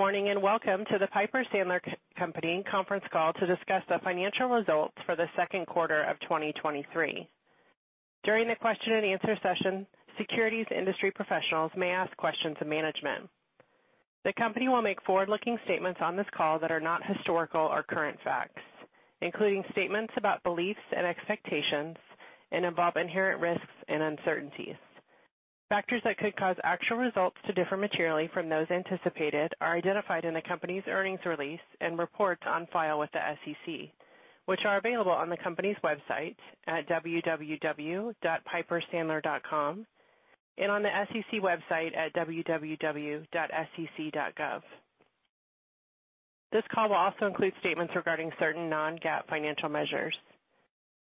Good morning, welcome to the Piper Sandler Company conference call to discuss the financial results for the Q2 of 2023. During the question and answer session, securities industry professionals may ask questions of management. The company will make forward-looking statements on this call that are not historical or current facts, including statements about beliefs and expectations, and involve inherent risks and uncertainties. Factors that could cause actual results to differ materially from those anticipated are identified in the company's earnings release and reports on file with the SEC, which are available on the company's website at www.pipersandler.com and on the SEC website at www.sec.gov. This call will also include statements regarding certain non-GAAP financial measures.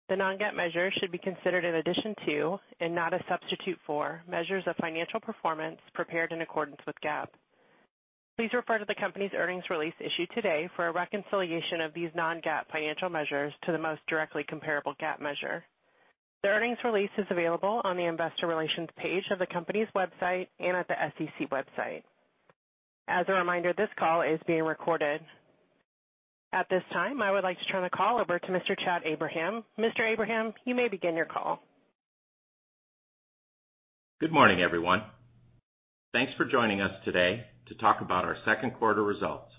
The non-GAAP measures should be considered in addition to, and not a substitute for, measures of financial performance prepared in accordance with GAAP. Please refer to the company's earnings release issued today for a reconciliation of these non-GAAP financial measures to the most directly comparable GAAP measure. The earnings release is available on the investor relations page of the company's website and at the SEC website. As a reminder, this call is being recorded. At this time, I would like to turn the call over to Mr. Chad Abraham. Mr. Abraham, you may begin your call. Good morning, everyone. Thanks for joining us today to talk about our Q2 results.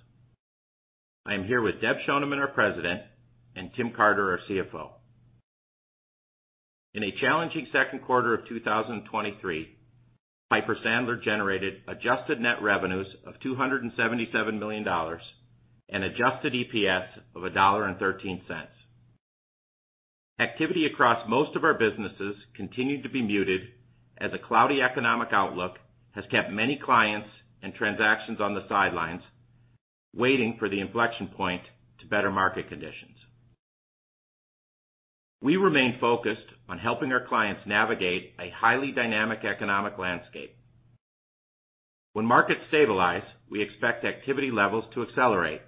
I am here with Deb Schoneman, our President, and Tim Carter, our CFO. In a challenging Q2 of 2023, Piper Sandler generated adjusted net revenues of $277 million and adjusted EPS of $1.13. Activity across most of our businesses continued to be muted as a cloudy economic outlook has kept many clients and transactions on the sidelines, waiting for the inflection point to better market conditions. We remain focused on helping our clients navigate a highly dynamic economic landscape. When markets stabilize, we expect activity levels to accelerate,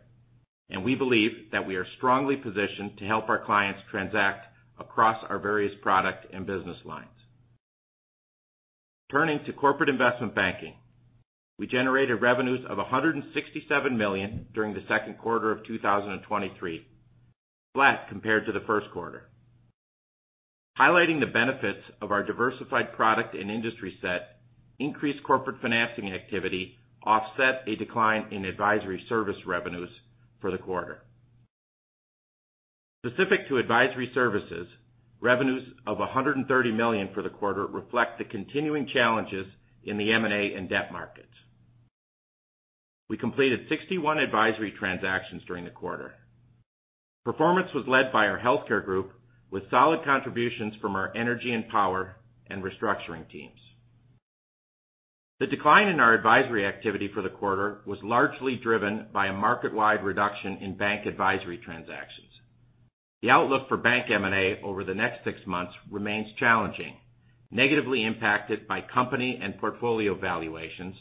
and we believe that we are strongly positioned to help our clients transact across our various product and business lines. Turning to corporate investment banking, we generated revenues of $167 million during the Q2 of 2023, flat compared to the Q1. Highlighting the benefits of our diversified product and industry set, increased corporate financing activity offset a decline in advisory services revenues for the quarter. Specific to advisory services, revenues of $130 million for the quarter reflect the continuing challenges in the M&A and debt markets. We completed 61 advisory transactions during the quarter. Performance was led by our Healthcare group, with solid contributions from our Energy & Power and Restructuring teams. The decline in our advisory activity for the quarter was largely driven by a market-wide reduction in bank advisory transactions. The outlook for bank M&A over the next six months remains challenging, negatively impacted by company and portfolio valuations,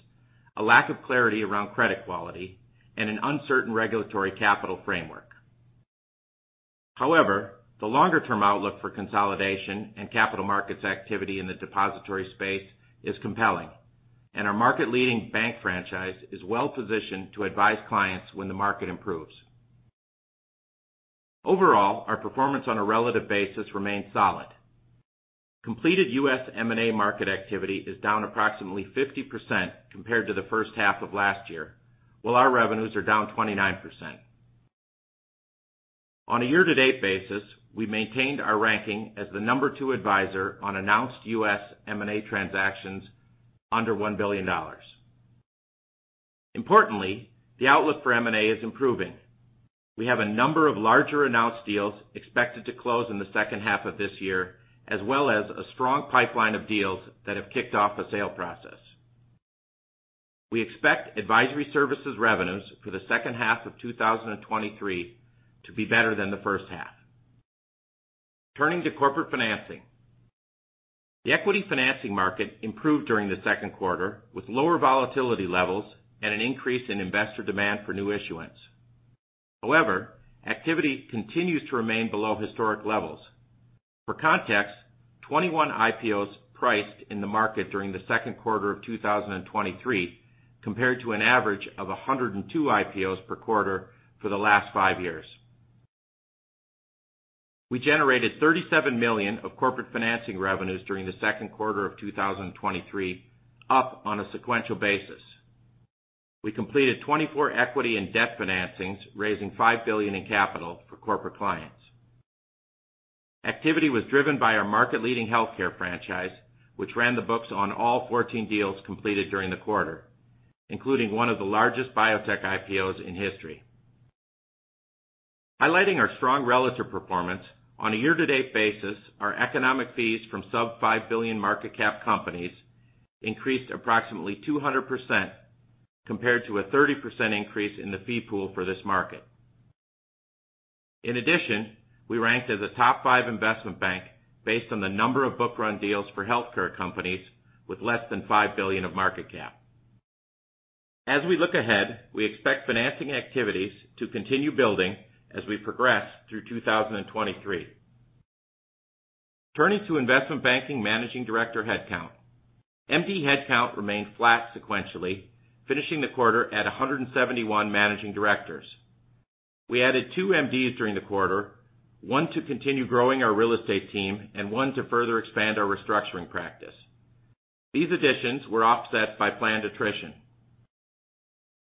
a lack of clarity around credit quality, and an uncertain regulatory capital framework. However, the longer-term outlook for consolidation and capital markets activity in the depository space is compelling, and our market-leading bank franchise is well positioned to advise clients when the market improves. Overall, our performance on a relative basis remains solid. Completed U.S. M&A market activity is down approximately 50% compared to the H1 of last year, while our revenues are down 29%. On a year-to-date basis, we maintained our ranking as the number two advisor on announced U.S. M&A transactions under $1 billion. Importantly, the outlook for M&A is improving. We have a number of larger announced deals expected to close in the H2 of this year, as well as a strong pipeline of deals that have kicked off a sale process. We expect advisory services revenues for the H2 of 2023 to be better than the H1. Turning to corporate financing, the equity financing market improved during the Q2, with lower volatility levels and an increase in investor demand for new issuance. Activity continues to remain below historic levels. For context, 21 IPOs priced in the market during the Q2 of 2023, compared to an average of 102 IPOs per quarter for the last five years. We generated $37 million of corporate financing revenues during the Q2 of 2023, up on a sequential basis. We completed 24 equity and debt financings, raising $5 billion in capital for corporate clients. Activity was driven by our market-leading healthcare franchise, which ran the books on all 14 deals completed during the quarter, including one of the largest biotech IPOs in history. Highlighting our strong relative performance, on a year-to-date basis, our economic fees from sub $5 billion market cap companies increased approximately 200%, compared to a 30% increase in the fee pool for this market. In addition, we ranked as a top 5 investment bank based on the number of book run deals for healthcare companies with less than $5 billion of market cap. As we look ahead, we expect financing activities to continue building as we progress through 2023.... Turning to investment banking managing director headcount. MD headcount remained flat sequentially, finishing the quarter at 171 managing directors. We added 2 MDs during the quarter, one to continue growing our real estate team and one to further expand our restructuring practice. These additions were offset by planned attrition.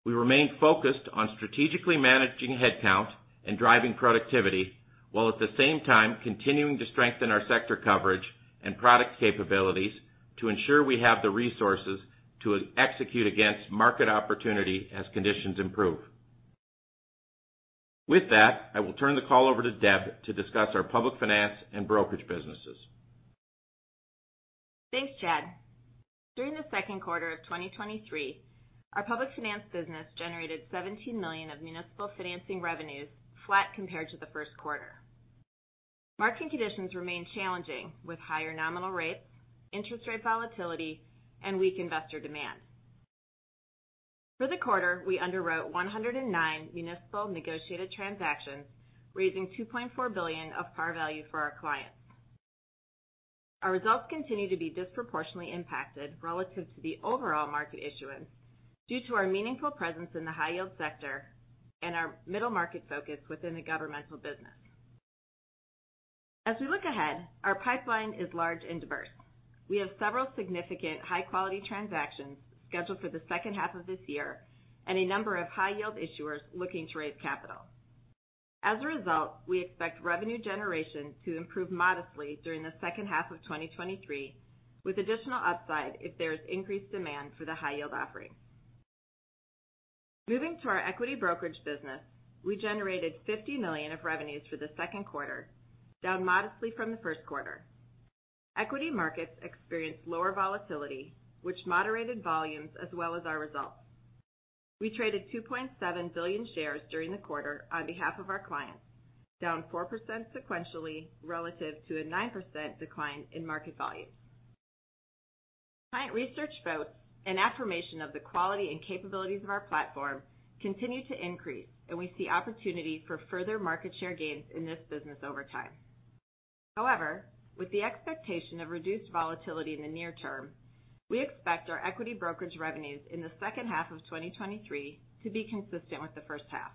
We remain focused on strategically managing headcount and driving productivity, while at the same time continuing to strengthen our sector coverage and product capabilities to ensure we have the resources to execute against market opportunity as conditions improve. With that, I will turn the call over to Deb to discuss our public finance and brokerage businesses. Thanks, Chad. During the Q2 of 2023, our public finance business generated $17 million of municipal financing revenues, flat compared to the Q1. Market conditions remain challenging, with higher nominal rates, interest rate volatility, and weak investor demand. For the quarter, we underwrote 109 municipal negotiated transactions, raising $2.4 billion of par value for our clients. Our results continue to be disproportionately impacted relative to the overall market issuance due to our meaningful presence in the high yield sector and our middle market focus within the governmental business. As we look ahead, our pipeline is large and diverse. We have several significant high-quality transactions scheduled for the H2 of this year and a number of high yield issuers looking to raise capital. As a result, we expect revenue generation to improve modestly during the second half of 2023, with additional upside if there is increased demand for the high yield offerings. Moving to our equity brokerage business, we generated $50 million of revenues for the Q2, down modestly from the Q1. Equity markets experienced lower volatility, which moderated volumes as well as our results. We traded 2.7 billion shares during the quarter on behalf of our clients, down 4% sequentially, relative to a 9% decline in market value. Client research votes and affirmation of the quality and capabilities of our platform continue to increase, and we see opportunity for further market share gains in this business over time. With the expectation of reduced volatility in the near term, we expect our equity brokerage revenues in the H2 of 2023 to be consistent with the H1.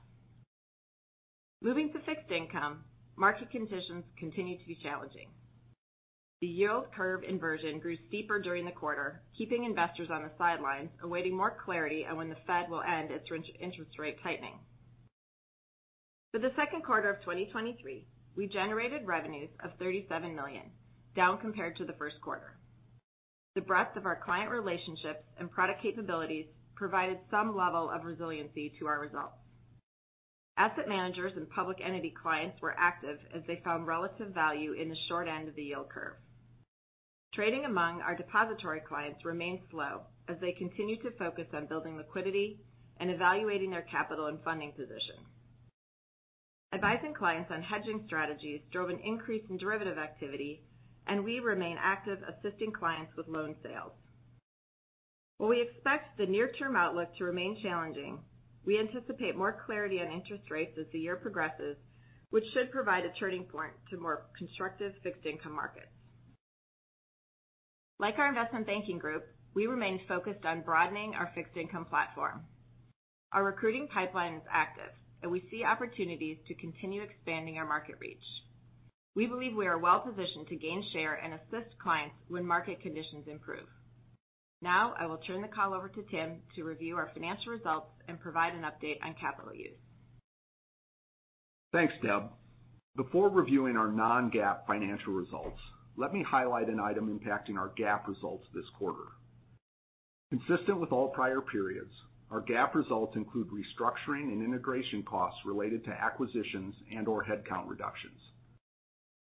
Moving to fixed income, market conditions continue to be challenging. The yield curve inversion grew steeper during the quarter, keeping investors on the sidelines, awaiting more clarity on when the Fed will end its interest rate tightening. For the Q2 of 2023, we generated revenues of $37 million, down compared to the Q2. The breadth of our client relationships and product capabilities provided some level of resiliency to our results. Asset managers and public entity clients were active as they found relative value in the short end of the yield curve. Trading among our depository clients remained slow as they continued to focus on building liquidity and evaluating their capital and funding position. Advising clients on hedging strategies drove an increase in derivative activity, and we remain active assisting clients with loan sales. While we expect the near-term outlook to remain challenging, we anticipate more clarity on interest rates as the year progresses, which should provide a turning point to more constructive fixed income markets. Like our investment banking group, we remain focused on broadening our fixed income platform. Our recruiting pipeline is active, and we see opportunities to continue expanding our market reach. We believe we are well positioned to gain share and assist clients when market conditions improve. Now, I will turn the call over to Tim to review our financial results and provide an update on capital use. Thanks, Deb. Before reviewing our non-GAAP financial results, let me highlight an item impacting our GAAP results this quarter. Consistent with all prior periods, our GAAP results include restructuring and integration costs related to acquisitions and/or headcount reductions.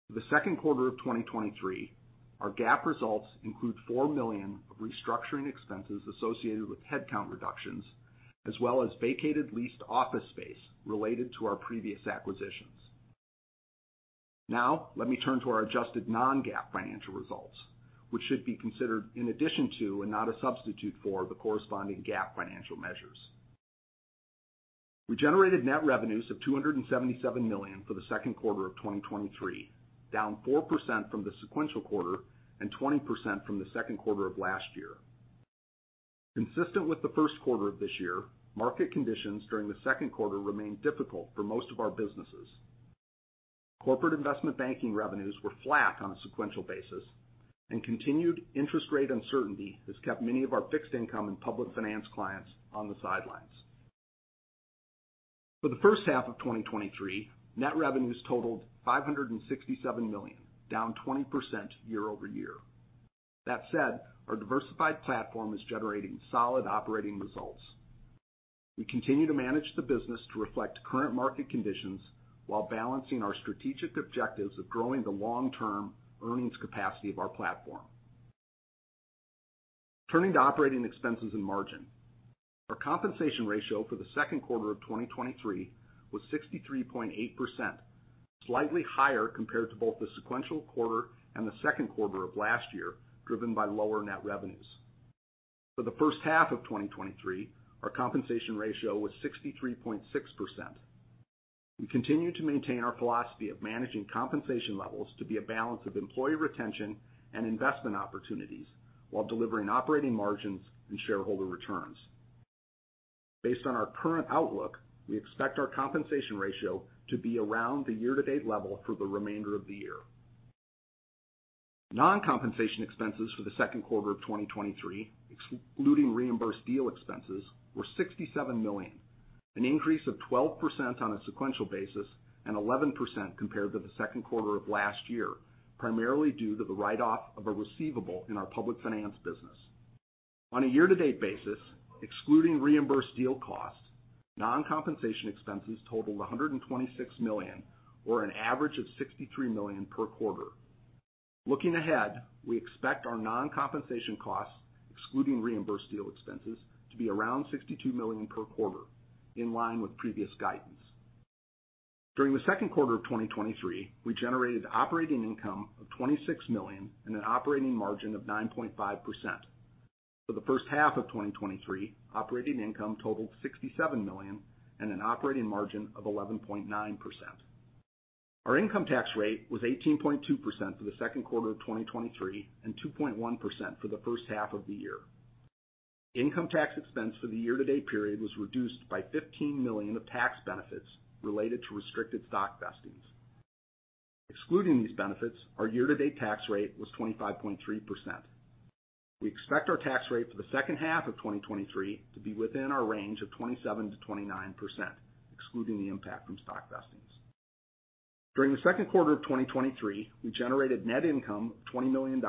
For the Q2 of 2023, our GAAP results include $4 million of restructuring expenses associated with headcount reductions, as well as vacated leased office space related to our previous acquisitions. Now, let me turn to our adjusted non-GAAP financial results, which should be considered in addition to, and not a substitute for, the corresponding GAAP financial measures. We generated net revenues of $277 million for the Q2 of 2023, down 4% from the sequential quarter and 20% from the Q2 of last year. Consistent with the Q1 of this year, market conditions during the Q2 remained difficult for most of our businesses. Corporate investment banking revenues were flat on a sequential basis. Continued interest rate uncertainty has kept many of our fixed income and public finance clients on the sidelines. For the H1 of 2023, net revenues totaled $567 million, down 20% year-over-year. That said, our diversified platform is generating solid operating results. We continue to manage the business to reflect current market conditions while balancing our strategic objectives of growing the long-term earnings capacity of our platform. Turning to operating expenses and margin. Our compensation ratio for the Q2 of 2023 was 63.8%, slightly higher compared to both the sequential quarter and the Q2 of last year, driven by lower net revenues. For the H1 of 2023, our compensation ratio was 63.6%. We continue to maintain our philosophy of managing compensation levels to be a balance of employee retention and investment opportunities, while delivering operating margins and shareholder returns. Based on our current outlook, we expect our compensation ratio to be around the year-to-date level for the remainder of the year. Non-compensation expenses for the Q2 of 2023, excluding reimbursed deal expenses, were $67 million, an increase of 12% on a sequential basis and 11% compared to the Q2 of last year, primarily due to the write-off of a receivable in our public finance business. On a year-to-date basis, excluding reimbursed deal costs, non-compensation expenses totaled $126 million, or an average of $63 million per quarter. Looking ahead, we expect our non-compensation costs, excluding reimbursed deal expenses, to be around $62 million per quarter, in line with previous guidance. During the Q2 of 2023, we generated operating income of $26 million and an operating margin of 9.5%. For the H1 of 2023, operating income totaled $67 million and an operating margin of 11.9%. Our income tax rate was 18.2% for the Q2 of 2023, and 2.1% for the H1 of the year. Income tax expense for the year-to-date period was reduced by $15 million of tax benefits related to restricted stock vestings. Excluding these benefits, our year-to-date tax rate was 25.3%. We expect our tax rate for the H2 of 2023 to be within our range of 27%-29%, excluding the impact from stock vestings. During the Q2 of 2023, we generated net income of $20 million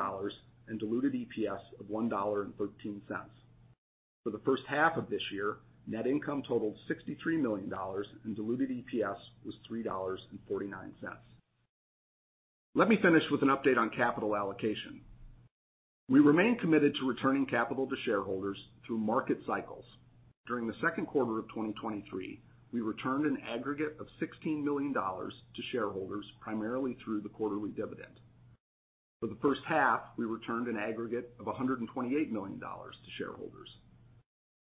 and diluted EPS of $1.13. For the H1 of this year, net income totaled $63 million, and diluted EPS was $3.49. Let me finish with an update on capital allocation. We remain committed to returning capital to shareholders through market cycles. During the Q2 of 2023, we returned an aggregate of $16 million to shareholders, primarily through the quarterly dividend. For the H1, we returned an aggregate of $128 million to shareholders.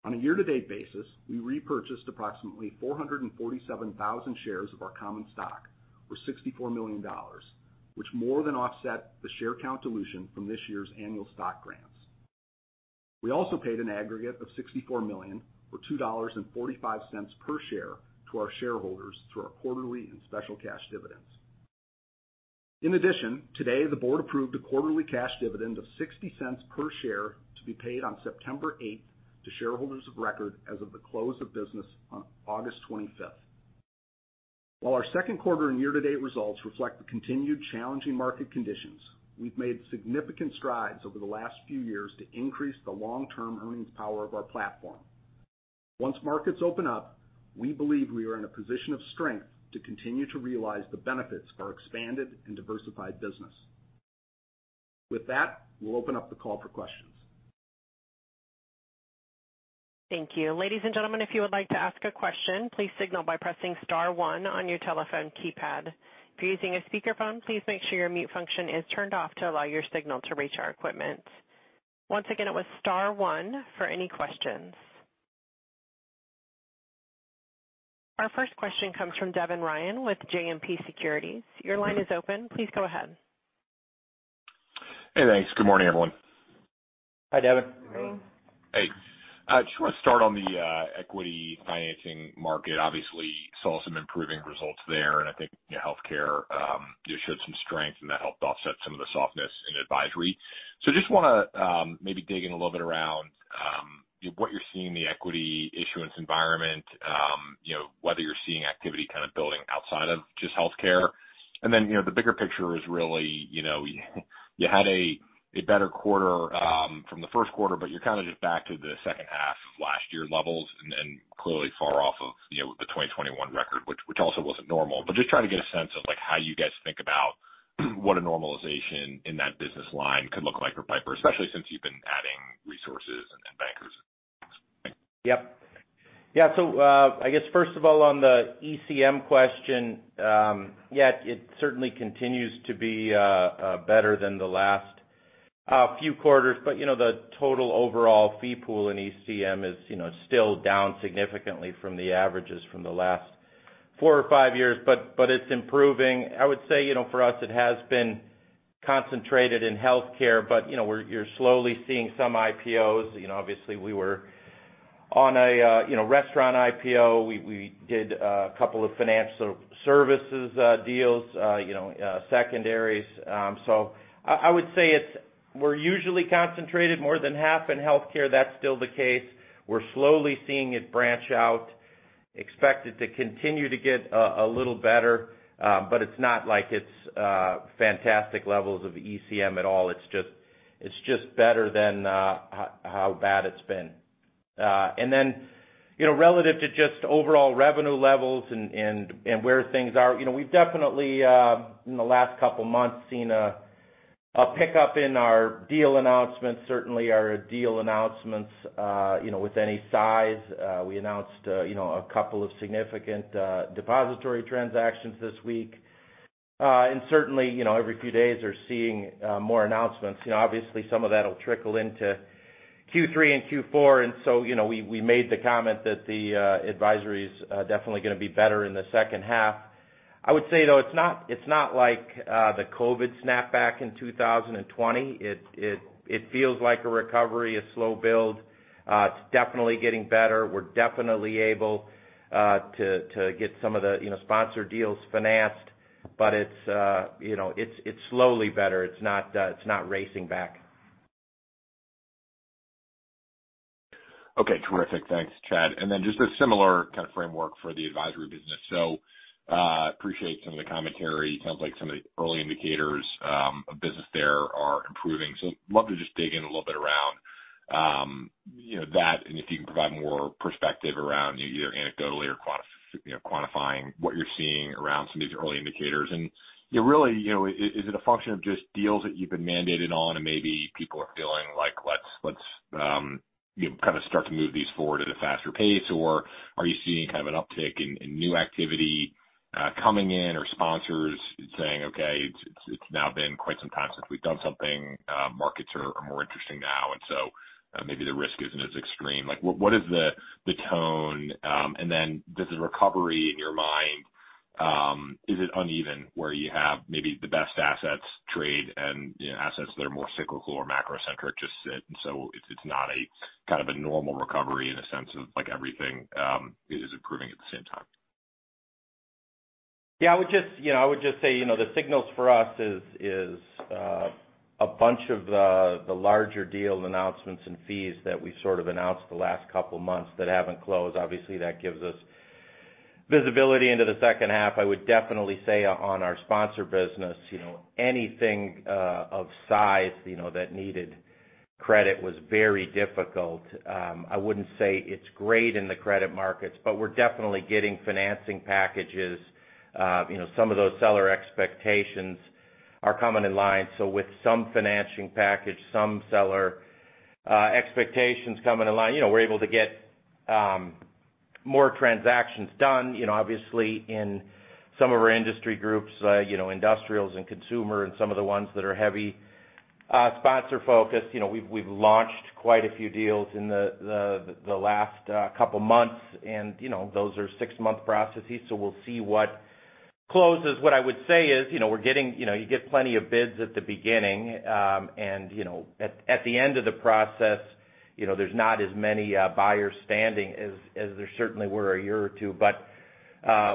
On a year-to-date basis, we repurchased approximately 447,000 shares of our common stock, or $64 million, which more than offset the share count dilution from this year's annual stock grants. We also paid an aggregate of $64 million, or $2.45 per share, to our shareholders through our quarterly and special cash dividends. Today, the board approved a quarterly cash dividend of $0.60 per share to be paid on 8th September 2023 to shareholders of record as of the close of business on 25th August 2023. Our Q2 and year-to-date results reflect the continued challenging market conditions, we've made significant strides over the last few years to increase the long-term earnings power of our platform. Once markets open up, we believe we are in a position of strength to continue to realize the benefits of our expanded and diversified business. With that, we'll open up the call for questions. Thank you. Ladies and gentlemen, if you would like to ask a question, please signal by pressing star one on your telephone keypad. If you're using a speakerphone, please make sure your mute function is turned off to allow your signal to reach our equipment. Once again, it was star one for any questions. Our first question comes from Devin Ryan with JMP Securities. Your line is open. Please go ahead. Hey, thanks. Good morning, everyone. Hi, Devin. Hey, I just want to start on the equity financing market. Obviously, saw some improving results there. I think healthcare just showed some strength, and that helped offset some of the softness in advisory. Just wanna maybe dig in a little bit around, you know, what you're seeing in the equity issuance environment, you know, whether you're seeing activity kind of building outside of just healthcare. Then, you know, the bigger picture is really, you know, you had a better quarter from the Q1, but you're kind of just back to the H2 of last year's levels and clearly far off of, you know, the 2021 record, which also wasn't normal. Just trying to get a sense of, like, how you guys think about what a normalization in that business line could look like for Piper, especially since you've been adding resources and bankers. Yep. Yeah, I guess first of all, on the ECM question, yeah, it certainly continues to be better than the last few quarters. You know, the total overall fee pool in ECM is, you know, still down significantly from the averages from the last four or five years, but it's improving. I would say, you know, for us, it has been concentrated in healthcare, but, you know, we're slowly seeing some IPOs. You know, obviously, we were on a, you know, restaurant IPO. We did a couple of financial services deals, you know, secondaries. I would say it's we're usually concentrated more than half in healthcare. That's still the case. We're slowly seeing it branch out. Expect it to continue to get, a little better, but it's not like it's fantastic levels of ECM at all. It's just, it's just better than how bad it's been. You know, relative to just overall revenue levels and, and, and where things are, you know, we've definitely in the last couple months, seen a, a pickup in our deal announcements, certainly our deal announcements, you know, with any size. We announced, you know, a couple of significant depository transactions this week.... and certainly, you know, every few days are seeing more announcements. You know, obviously, some of that'll trickle into Q3 and Q4, and so, you know, we, we made the comment that the advisory is definitely gonna be better in the H2. I would say, though, it's not, it's not like the COVID snapback in 2020. It, it, it feels like a recovery, a slow build. It's definitely getting better. We're definitely able to, to get some of the, you know, sponsor deals financed, but it's, you know, it's, it's slowly better. It's not, it's not racing back. Okay, terrific. Thanks, Chad. Then just a similar kind of framework for the advisory business. Appreciate some of the commentary. Sounds like some of the early indicators, of business there are improving. Love to just dig in a little bit around, you know, that, and if you can provide more perspective around either anecdotally or quantifying what you're seeing around some of these early indicators. You know, really, you know, is it a function of just deals that you've been mandated on, and maybe people are feeling like, let's, let's, you know, kind of start to move these forward at a faster pace? Or are you seeing kind of an uptick in, in new activity, coming in, or sponsors saying, "Okay, it's, it's now been quite some time since we've done something. Markets are, are more interesting now, and so, maybe the risk isn't as extreme." Like, what, what is the, the tone? Then does the recovery, in your mind, is it uneven, where you have maybe the best assets trade and, you know, assets that are more cyclical or macro-centric just sit, and so it's, it's not a kind of a normal recovery in a sense of like everything, is improving at the same time? Yeah, I would just, you know, I would just say, you know, the signals for us is, is a bunch of the larger deal announcements and fees that we sort of announced the last couple months that haven't closed. Obviously, that gives us visibility into the H2. I would definitely say on our sponsor business, you know, anything of size, you know, that needed credit was very difficult. I wouldn't say it's great in the credit markets, but we're definitely getting financing packages. You know, some of those seller expectations are coming in line. With some financing package, some seller expectations coming in line, you know, we're able to get more transactions done. You know, obviously, in some of our industry groups, you know, industrials and consumer and some of the ones that are heavy, sponsor-focused, you know, we've, we've launched quite a few deals in the last couple months, and, you know, those are 6-month processes, so we'll see what closes. What I would say is, you know, we're getting... you know, you get plenty of bids at the beginning, and, you know, at, at the end of the process, you know, there's not as many buyers standing as, as there certainly were a year or two.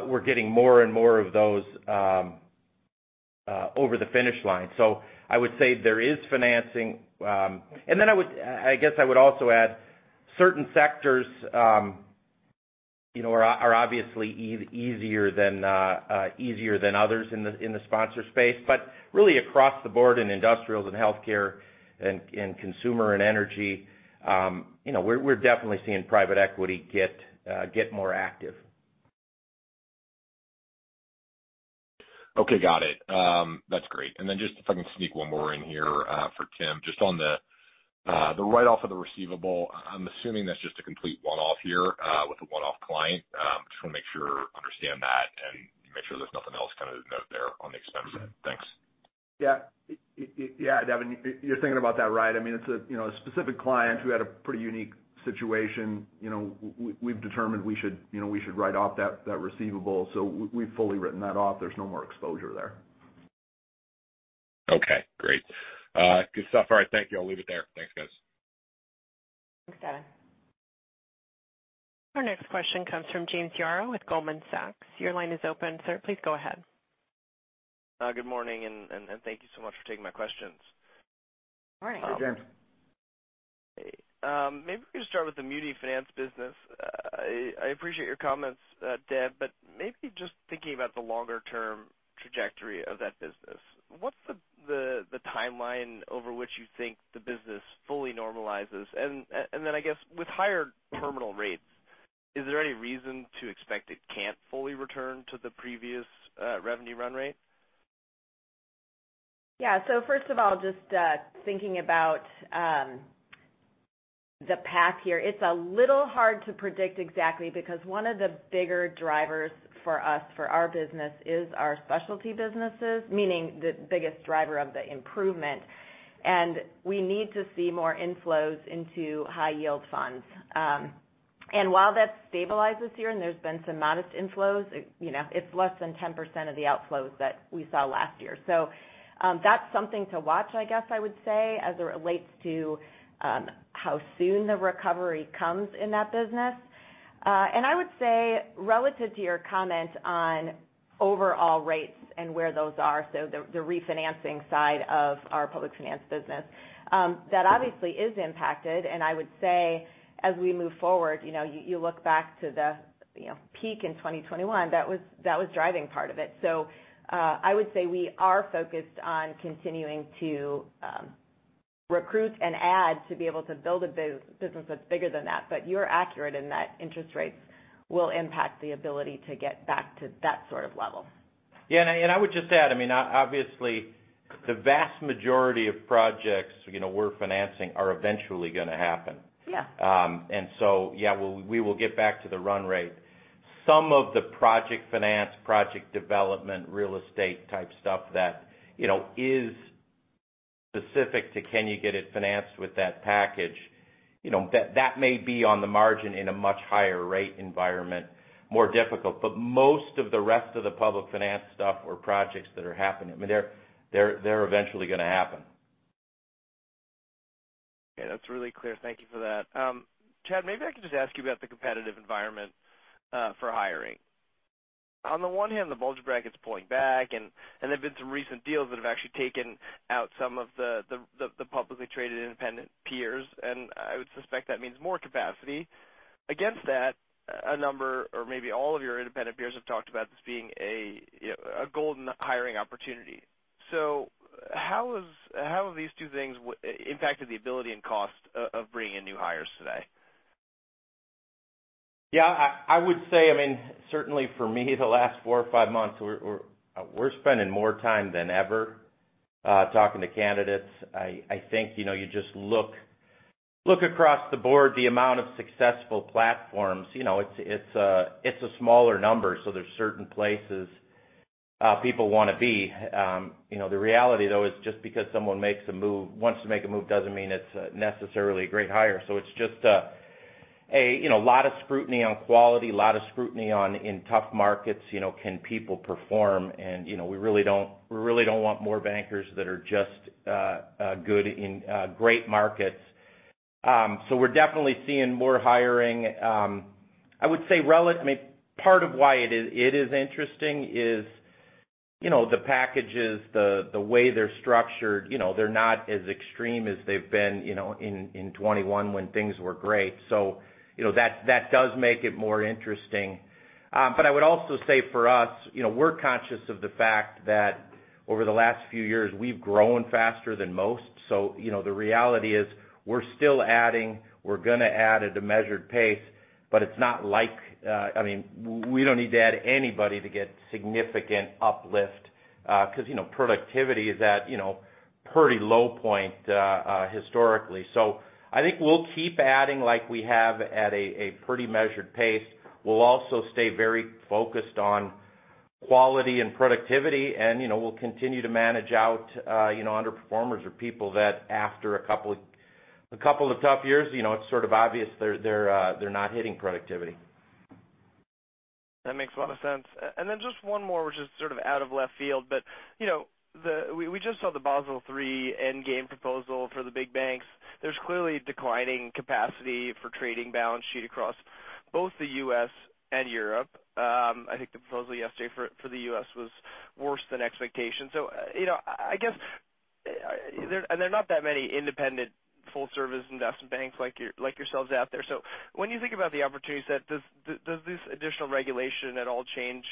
We're getting more and more of those over the finish line. I would say there is financing. Then I would, I guess I would also add, certain sectors, you know, are obviously easier than easier than others in the sponsor space. Really across the board in industrials and healthcare and, and consumer and energy, you know, we're definitely seeing private equity get more active. Okay, got it. That's great. Just if I can sneak one more in here, for Tim, just on the, the write-off of the receivable. I'm assuming that's just a complete one-off here, with a one-off client. Just wanna make sure I understand that and make sure there's nothing else kind of to note there on the expense side. Thanks. Yeah. Yeah, Devin, you're thinking about that right. I mean, it's a, you know, a specific client who had a pretty unique situation. You know, we've determined we should, you know, we should write off that, that receivable, so we've fully written that off. There's no more exposure there. Okay, great. good stuff. All right, thank you. I'll leave it there. Thanks, guys. Thanks, Devin. Our next question comes from James Yarrow with Goldman Sachs. Your line is open, sir. Please go ahead. Good morning, and thank you so much for taking my questions. Morning. Hey, James. Maybe we can start with the muni finance business. I, I appreciate your comments, Deb, but maybe just thinking about the longer-term trajectory of that business, what's the timeline over which you think the business fully normalizes? Then I guess with higher terminal rates, is there any reason to expect it can't fully return to the previous revenue run rate? Yeah. First of all, just thinking about the path here, it's a little hard to predict exactly because one of the bigger drivers for us, for our business, is our specialty businesses, meaning the biggest driver of the improvement, and we need to see more inflows into high-yield funds. While that's stabilized this year, and there's been some modest inflows, it, you know, it's less than 10% of the outflows that we saw last year. That's something to watch, I guess I would say, as it relates to how soon the recovery comes in that business. I would say, relative to your comment on overall rates and where those are, the refinancing side of our public finance business, that obviously is impacted. I would say, as we move forward, you know, you look back to the, you know, peak in 2021, that was, that was driving part of it. I would say we are focused on continuing to recruit and add to be able to build a business that's bigger than that. You're accurate in that interest rates will impact the ability to get back to that sort of level. Yeah, and I, and I would just add, I mean, the vast majority of projects, you know, we're financing are eventually gonna happen. Yeah. Yeah, we, we will get back to the run rate. Some of the project finance, project development, real estate type stuff that you know, is specific to can you get it financed with that package? You know, that, that may be on the margin in a much higher rate environment, more difficult, but most of the rest of the public finance stuff or projects that are happening, I mean, they're, they're, they're eventually gonna happen. Okay, that's really clear. Thank you for that. Chad, maybe I could just ask you about the competitive environment, for hiring. On the one hand, the bulge bracket's pulling back, and there have been some recent deals that have actually taken out some of the publicly traded independent peers, and I would suspect that means more capacity. Against that, a number or maybe all of your independent peers have talked about this being a, you know, a golden hiring opportunity. So how have these two things impacted the ability and cost of bringing in new hires today? Yeah, I, I would say, I mean, certainly for me, the last 4 or 5 months, we're, we're, we're spending more time than ever, talking to candidates. I, I think, you know, you just look, look across the board, the amount of successful platforms, you know, it's, it's a, it's a smaller number, so there's certain places, people wanna be. You know, the reality, though, is just because someone makes a move-- wants to make a move, doesn't mean it's necessarily a great hire. It's just a, a, you know, lot of scrutiny on quality, a lot of scrutiny on, in tough markets, you know, can people perform? You know, we really don't, we really don't want more bankers that are just, good in, great markets. We're definitely seeing more hiring. I would say I mean, part of why it is, it is interesting is, you know, the packages, the, the way they're structured, you know, they're not as extreme as they've been, you know, in, in 2021 when things were great. You know, that, that does make it more interesting. But I would also say for us, you know, we're conscious of the fact that over the last few years, we've grown faster than most. You know, the reality is, we're still adding. We're gonna add at a measured pace, but it's not like, I mean, we don't need to add anybody to get significant uplift, 'cause, you know, productivity is at, you know, pretty low point, historically. I think we'll keep adding like we have at a, a pretty measured pace. We'll also stay very focused on quality and productivity, and, you know, we'll continue to manage out, you know, underperformers or people that after a couple of tough years, you know, it's sort of obvious they're not hitting productivity. That makes a lot of sense. Then just one more, which is sort of out of left field, but, you know, we, we just saw the Basel III endgame proposal for the big banks. There's clearly declining capacity for trading balance sheet across both the U.S. and Europe. I think the proposal yesterday for, for the U.S. was worse than expectations. You know, I, I guess, there are not that many independent full-service investment banks like your, like yourselves out there. When you think about the opportunity set, does, does this additional regulation at all change,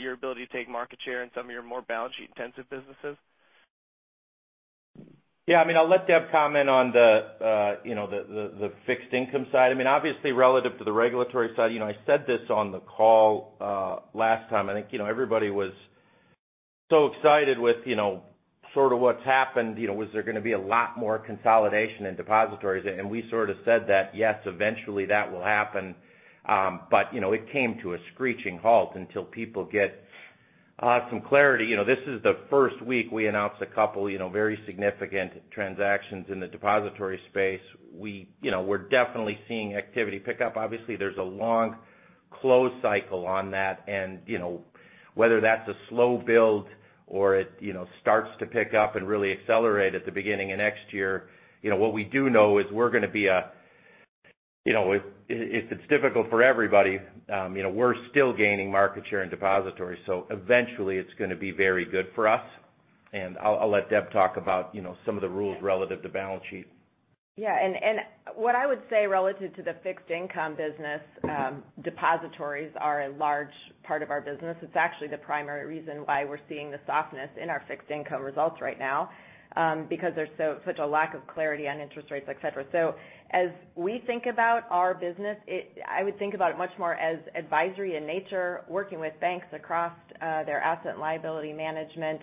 your ability to take market share in some of your more balance sheet-intensive businesses? Yeah, I mean, I'll let Deb comment on the, you know, the, the, the fixed income side. I mean, obviously, relative to the regulatory side, you know, I said this on the call, last time. I think, you know, everybody was so excited with, you know, sort of what's happened, you know, was there gonna be a lot more consolidation in depositories? We sort of said that, yes, eventually that will happen, but, you know, it came to a screeching halt until people get some clarity. You know, this is the first week we announced a couple, you know, very significant transactions in the depository space. We, you know, we're definitely seeing activity pick up. Obviously, there's a long close cycle on that, and, you know, whether that's a slow build or it, you know, starts to pick up and really accelerate at the beginning of next year, you know, what we do know is we're gonna be. You know, if, if it's difficult for everybody, you know, we're still gaining market share in depository, so eventually it's gonna be very good for us. I'll, I'll let Deb talk about, you know, some of the rules relative to balance sheet. Yeah, and what I would say relative to the fixed income business, depositories are a large part of our business. It's actually the primary reason why we're seeing the softness in our fixed income results right now, because there's so, such a lack of clarity on interest rates, et cetera. As we think about our business, it- I would think about it much more as advisory in nature, working with banks across their asset and liability management.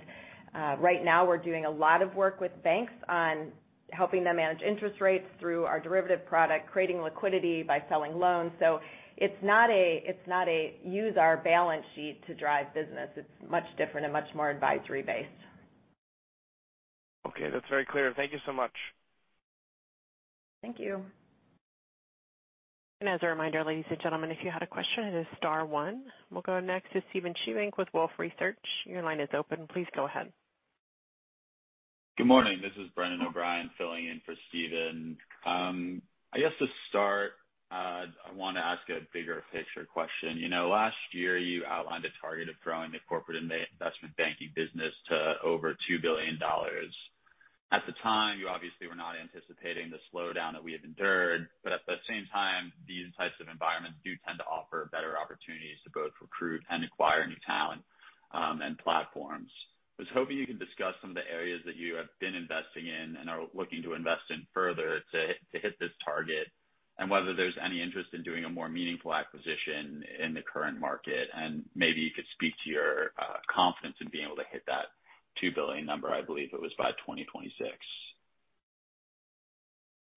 Right now, we're doing a lot of work with banks on helping them manage interest rates through our derivative product, creating liquidity by selling loans. It's not a, it's not a use our balance sheet to drive business. It's much different and much more advisory-based. Okay, that's very clear. Thank you so much. Thank you. As a reminder, ladies and gentlemen, if you had a question, it is star one. We'll go next to Steven Chubak with Wolfe Research. Your line is open. Please go ahead. Good morning. This is Brendan O'Brien, filling in for Steven. I guess to start, I want to ask a bigger-picture question. You know, last year, you outlined a target of growing the Corporate Investment Banking business to over $2 billion. At the time, you obviously were not anticipating the slowdown that we have endured, but at the same time, these types of environments do tend to offer better opportunities to both recruit and acquire new talent and platforms. I was hoping you could discuss some of the areas that you are looking to invest in further to hit this target, and whether there's any interest in doing a more meaningful acquisition in the current market. Maybe you could speak to your confidence in being able to hit that $2 billion number, I believe it was by 2026.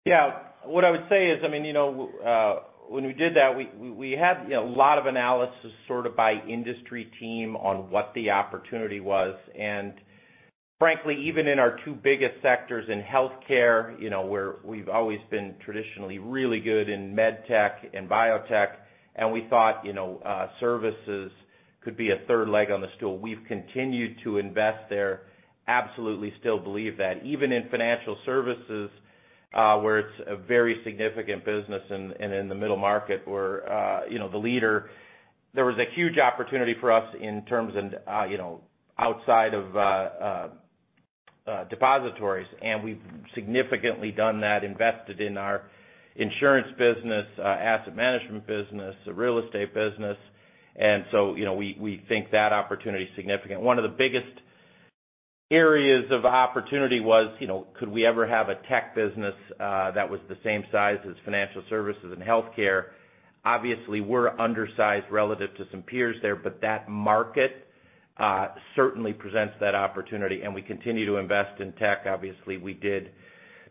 Yeah. What I would say is, I mean, you know, when we did that, we, we, we had, you know, a lot of analysis sort of by industry team on what the opportunity was. Frankly, even in our two biggest sectors in healthcare, you know, where we've always been traditionally really good in med tech and biotech, and we thought, you know, services could be a third leg on the stool. We've continued to invest there. Absolutely still believe that. Even in financial services, where it's a very significant business and, and in the middle market where, you know, the leader, there was a huge opportunity for us in terms of, you know, outside of depositories. We've significantly done that, invested in our insurance business, asset management business, the real estate business, so, you know, we, we think that opportunity is significant. One of the biggest areas of opportunity was, you know, could we ever have a tech business that was the same size as financial services and healthcare? Obviously, we're undersized relative to some peers there, but that market certainly presents that opportunity, and we continue to invest in tech. Obviously, we did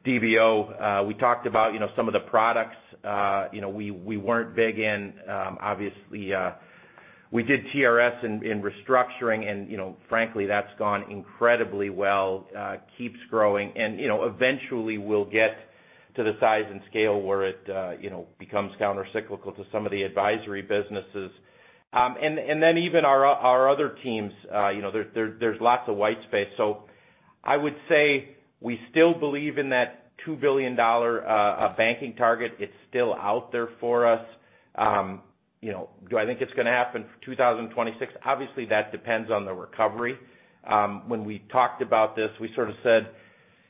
DBO. We talked about, you know, some of the products, you know, we, we weren't big in. Obviously, we did TRS in, in restructuring and, you know, frankly, that's gone incredibly well. Keeps growing and, you know, eventually we'll get to the size and scale where it, you know, becomes countercyclical to some of the advisory businesses. Even our other teams, you know, there, there's lots of white space. I would say we still believe in that $2 billion banking target. It's still out there for us. You know, do I think it's gonna happen for 2026? Obviously, that depends on the recovery. When we talked about this, we sort of said,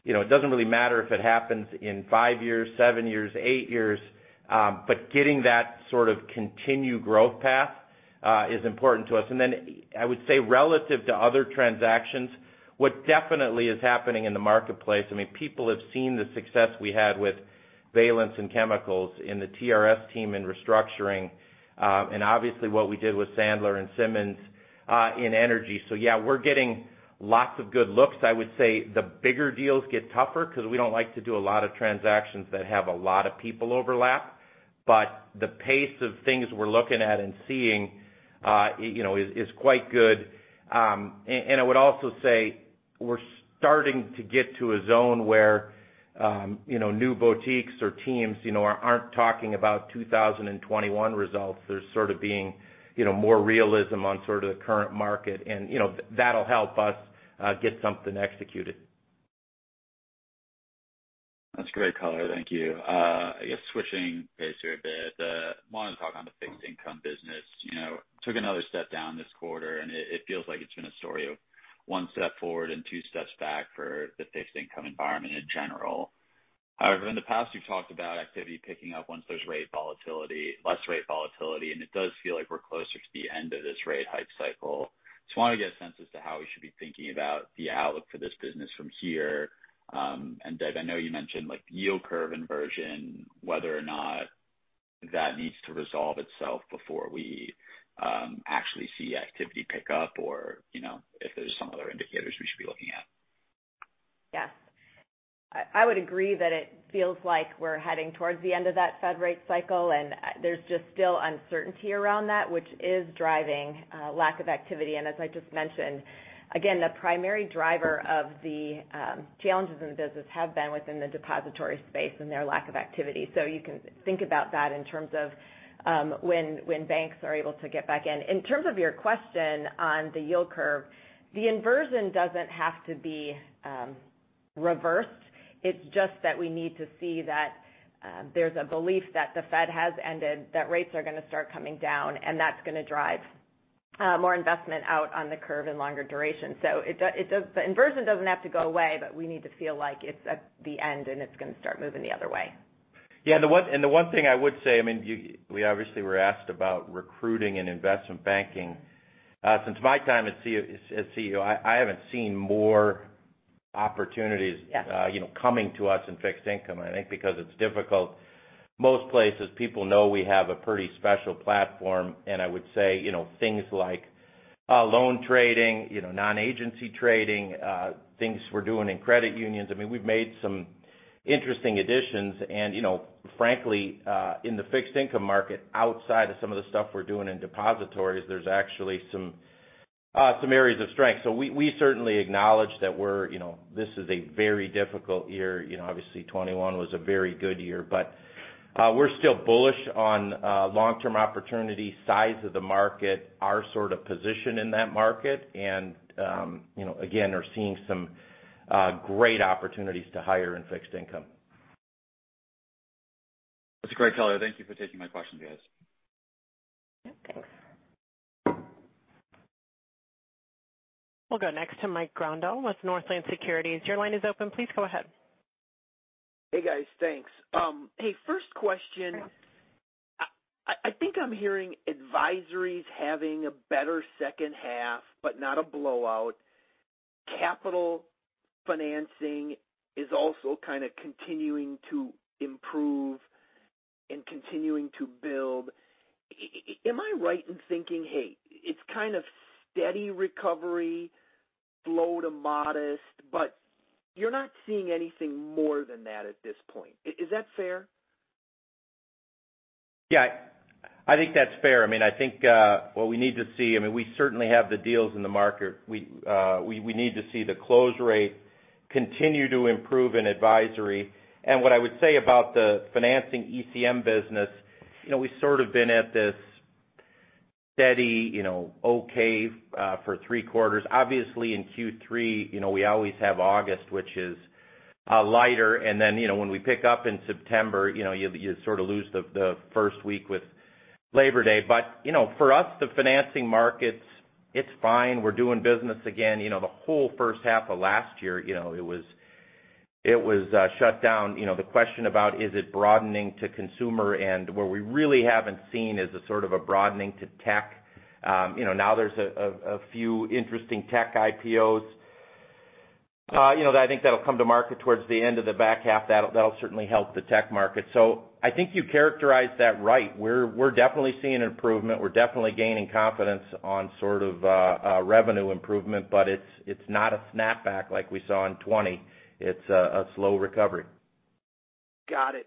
"You know, it doesn't really matter if it happens in five years, seven years, eight years, but getting that sort of continued growth path is important to us." I would say relative to other transactions, what definitely is happening in the marketplace, I mean, people have seen the success we had with Valence and Chemicals in the TRS team in restructuring, and obviously, what we did with Sandler and Simmons in energy. Yeah, we're getting lots of good looks. I would say the bigger deals get tougher because we don't like to do a lot of transactions that have a lot of people overlap. The pace of things we're looking at and seeing, you know, is, is quite good. And, and I would also say we're starting to get to a zone where, you know, new boutiques or teams, you know, aren't talking about 2021 results. There's sort of being, you know, more realism on sort of the current market, and, you know, that'll help us get something executed. That's great color. Thank you. I guess switching pace here a bit, wanted to talk on the fixed income business. You know, took another step down this quarter, and it, it feels like it's been a story of one step forward and two steps back for the fixed income environment in general. However, in the past, you've talked about activity picking up once there's rate volatility, less rate volatility, and it does feel like we're closer to the end of this rate hike cycle. Just want to get a sense as to how we should be thinking about the outlook for this business from here. And Deb, I know you mentioned, like, the yield curve inversion, whether or not that needs to resolve itself before we, actually see activity pick up or, you know, if there's some other indicators we should be looking at. Yes. I, I would agree that it feels like we're heading towards the end of that Fed rate cycle, and there's just still uncertainty around that, which is driving lack of activity. As I just mentioned, again, the primary driver of the challenges in the business have been within the depository space and their lack of activity. You can think about that in terms of when, when banks are able to get back in. In terms of your question on the yield curve, the inversion doesn't have to be reversed. It's just that we need to see that there's a belief that the Fed has ended, that rates are gonna start coming down, and that's gonna drive more investment out on the curve and longer duration. It does- the inversion doesn't have to go away, but we need to feel like it's at the end, and it's gonna start moving the other way. Yeah, the one, and the one thing I would say, I mean, we obviously were asked about recruiting and investment banking. Since my time as CEO, as CEO, I, I haven't seen more opportunities- Yes... you know, coming to us in fixed income, and I think because it's difficult. Most places, people know we have a pretty special platform, and I would say, you know, things like loan trading, you know, non-agency trading, things we're doing in credit unions. I mean, we've made some interesting additions and, you know, frankly, in the fixed income market, outside of some of the stuff we're doing in depositories, there's actually some areas of strength. We, we certainly acknowledge that we're, you know, this is a very difficult year. You know, obviously, 2021 was a very good year. We're still bullish on long-term opportunity, size of the market, our sort of position in that market, and, you know, again, are seeing some great opportunities to hire in fixed income. That's a great color. Thank you for taking my questions, guys. Yeah, thanks. We'll go next to Mike Grondahl with Northland Securities. Your line is open. Please go ahead. Hey, guys. Thanks. Hey, first question. I think I'm hearing advisories having a better H2, but not a blowout. Capital financing is also kind of continuing to improve and continuing to build. Am I right in thinking, hey, it's kind of steady recovery, slow to modest, but you're not seeing anything more than that at this point? Is that fair? Yeah, I think that's fair. I mean, I think, what we need to see, I mean, we certainly have the deals in the market. We, we need to see the close rate continue to improve in advisory. What I would say about the financing ECM business, you know, we've sort of been at this steady, you know, okay, for three quarters. Obviously, in Q3, you know, we always have August, which is lighter. Then, you know, when we pick up in September, you know, you sort of lose the, the first week with Labor Day. For us, the financing markets, it's fine. We're doing business again. You know, the whole H1 of last year, you know, it was, it was, shut down. You know, the question about, is it broadening to consumer? Where we really haven't seen is a sort of a broadening to tech. you know, now there's a few interesting tech IPOs. you know, that I think that'll come to market towards the end of the back half. That'll, that'll certainly help the tech market. I think you characterized that right. We're, we're definitely seeing an improvement. We're definitely gaining confidence on sort of revenue improvement, but it's, it's not a snapback like we saw in 2020. It's a slow recovery. Got it.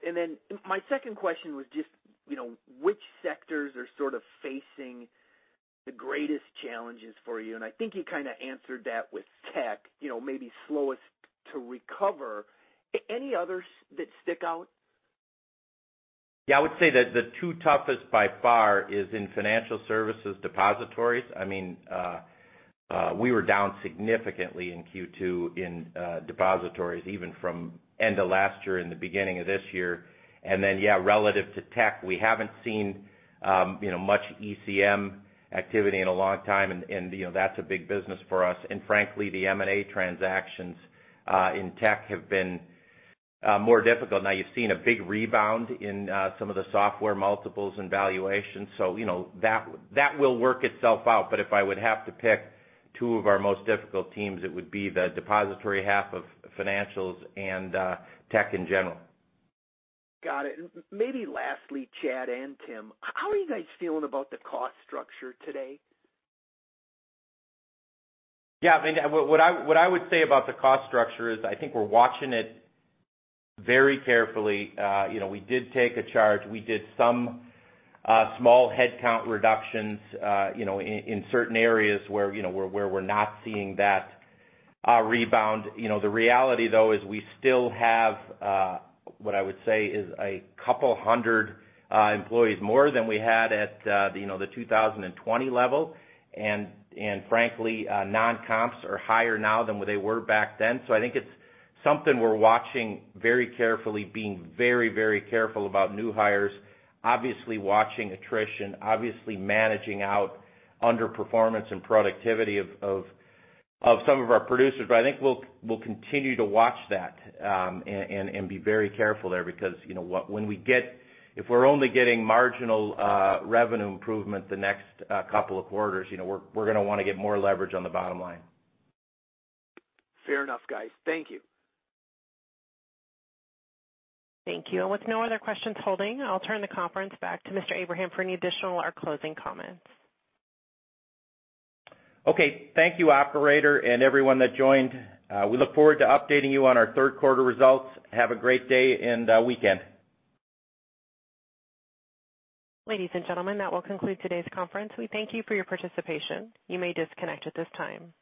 My 2nd question was just, you know, which sectors are sort of facing the greatest challenges for you? I think you kind of answered that with tech, you know, maybe slowest to recover. Any others that stick out? Yeah, I would say that the two toughest by far is in financial services depositories. I mean, we were down significantly in Q2 in depositories, even from end of last year and the beginning of this year. Then, yeah, relative to tech, we haven't seen, you know, much ECM activity in a long time, and, you know, that's a big business for us. Frankly, the M&A transactions in tech have been more difficult. Now, you've seen a big rebound in some of the software multiples and valuations, so you know, that will work itself out. If I would have to pick two of our most difficult teams, it would be the depository half of financials and tech in general. Got it. maybe lastly, Chad and Tim, how are you guys feeling about the cost structure today? Yeah, I mean, what, what I, what I would say about the cost structure is, I think we're watching it very carefully. You know, we did take a charge. We did some small headcount reductions, you know, in certain areas where, you know, where, where we're not seeing that rebound. You know, the reality, though, is we still have what I would say is a couple hundred employees, more than we had at, you know, the 2020 level. Frankly, non-comps are higher now than what they were back then. I think it's something we're watching very carefully, being very, very careful about new hires, obviously watching attrition, obviously managing out underperformance and productivity of, of, of some of our producers. I think we'll, we'll continue to watch that, and, and, and be very careful there because, you know, if we're only getting marginal revenue improvement the next two quarters, you know, we're, we're gonna wanna get more leverage on the bottom line. Fair enough, guys. Thank you. Thank you. With no other questions holding, I'll turn the conference back to Mr. Abraham for any additional or closing comments. Okay, thank you, operator, and everyone that joined. We look forward to updating you on our Q3 results. Have a great day and weekend. Ladies and gentlemen, that will conclude today's conference. We thank you for your participation. You may disconnect at this time.